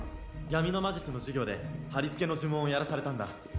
闇の魔術の授業で磔の呪文をやらされたんだ